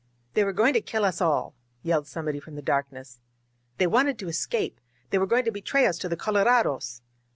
"They were going to kill us all!" yelled somebody from the darkness. "They wanted to escape! They were going to betray us to the colorados!"